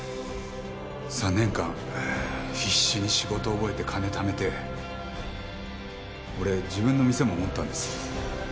３年間必死に仕事を覚えて金ためて俺自分の店も持ったんです。